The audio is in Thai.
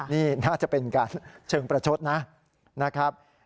นี่น่าจะเป็นการเชิงประชดนะครับ